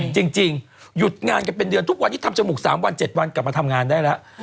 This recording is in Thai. จริงหยุดงานกันเป็นเดือนทุกวันนี้ทำจมูก๓วัน๗วันกลับมาทำงานได้แล้ว